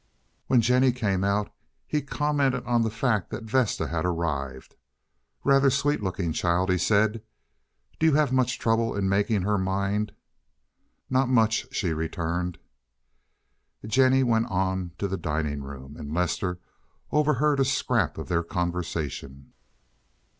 When Jennie came out he commented on the fact that Vesta had arrived. "Rather sweet looking child," he said. "Do you have much trouble in making her mind?" "Not much," she returned. Jennie went on to the dining room, and Lester overheard a scrap of their conversation.